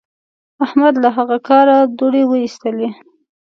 احمد له هغه کاره دوړې واېستلې.